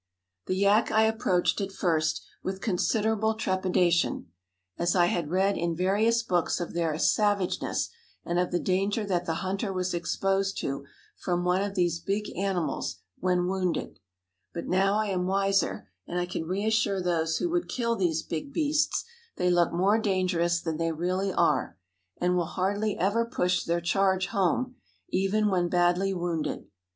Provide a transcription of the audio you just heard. The yak I approached at first with considerable trepidation, as I had read in various books of their savageness and of the danger that the hunter was exposed to from one of these big animals when wounded; but now I am wiser, and I can reassure those who would kill these big beasts; they look more dangerous than they really are, and will hardly ever push their charge home, even when badly wounded.